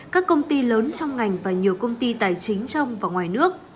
các công ty lớn trong ngành và nhiều công ty tài chính trong và ngoài nước